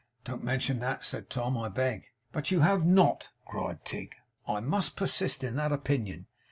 'Don't mention that,' said Tom, 'I beg.' 'But you have NOT,' cried Tigg. 'I must persist in that opinion.